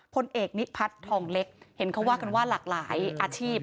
พลเอกนิพัฒน์ทองเล็กเห็นเขาว่ากันว่าหลากหลายอาชีพ